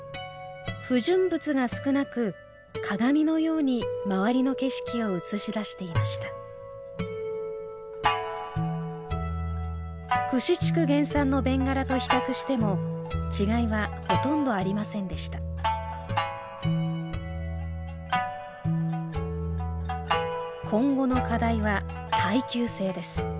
不純物が少なく鏡のように周りの景色を映し出していました久志地区原産の弁柄と比較しても違いはほとんどありませんでした今後の課題は耐久性です。